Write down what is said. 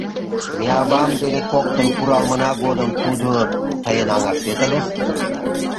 Ме авам дене коктын куралмына годым тудо тыйын аҥаштет ыльыс.